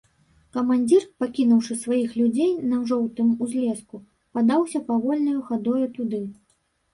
Камандзір, пакінуўшы сваіх людзей на жоўтым узлеску, падаўся павольнаю хадою туды.